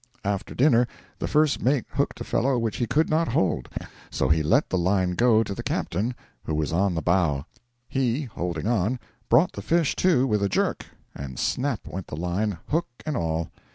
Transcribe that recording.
After dinner the first mate hooked a fellow which he could not hold, so he let the line go to the captain, who was on the bow. He, holding on, brought the fish to with a jerk, and snap went the line, hook and all.